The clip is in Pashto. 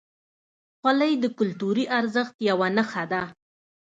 خولۍ د کلتوري ارزښت یوه نښه ده.